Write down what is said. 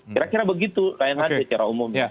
kira kira begitu lain saja secara umum